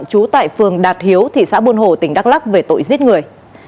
trú tại phường đạt hiếu thị xã buôn hồ tp hcm về tội giết người